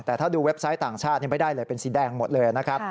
แต่ถ้าดูเว็บไซต์ต่างชาติไม่ได้เลยเป็นสีแดงหมดเลยนะครับ